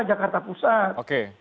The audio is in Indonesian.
jakarta pusat oke